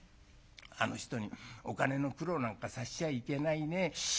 あの人にお金の苦労なんかさせちゃいけないね。